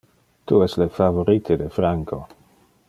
Tu es le favorite de Franco